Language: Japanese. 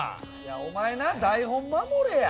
お前な台本守れや。